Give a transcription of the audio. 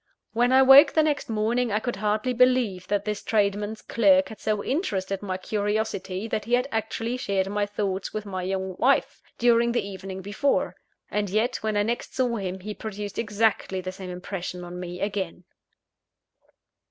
When I woke the next morning, I could hardly believe that this tradesman's clerk had so interested my curiosity that he had actually shared my thoughts with my young wife, during the evening before. And yet, when I next saw him, he produced exactly the same impression on me again.